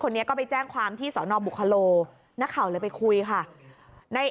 คนนี้ก็ไปแจ้งความที่สอนอบุคโลนักข่าวเลยไปคุยค่ะใน